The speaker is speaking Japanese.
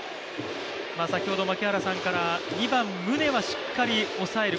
先ほど槙原さんから２番・宗はしっかり抑える